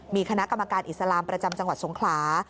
มีคณะกรรมการอิสลามประจำจังหวัดสงขลา